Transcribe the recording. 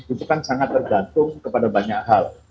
itu kan sangat tergantung kepada banyak hal